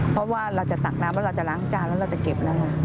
เพราะว่าเราจะตักน้ำแล้วเราจะล้างจานแล้วเราจะเก็บนะคะ